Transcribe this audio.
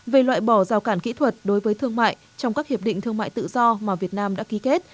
về loại bỏ rào cản kỹ thuật đối với thương mại trong các hiệp định thương mại tự do mà việt nam đã ký kết